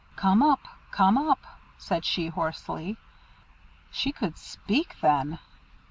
"Come up! come up!" said she hoarsely. She could speak, then!